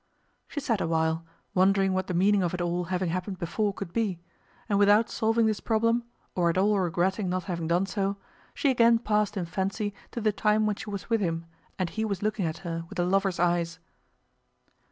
She sat awhile, wondering what the meaning of it all having happened before could be, and without solving this problem, or at all regretting not having done so, she again passed in fancy to the time when she was with him and he was looking at her with a lover's eyes.